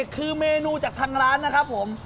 คือเมนูจากทางร้านนะครับผม